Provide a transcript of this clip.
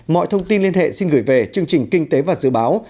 mọi thông tin liên hệ xin gửi về chương trình kinh tế và dự báo